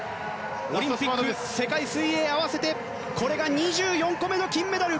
オリンピックと世界水泳合わせてこれが２４個目の金メダル！